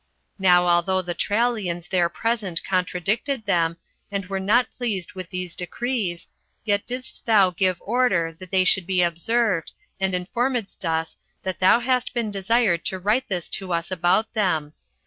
Now although the Trallians there present contradicted them, and were not pleased with these decrees, yet didst thou give order that they should be observed, and informedst us that thou hadst been desired to write this to us about them.